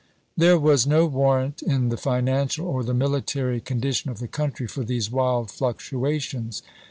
There was no warrant in the financial or the military condi tion of the country for these wild fluctuations.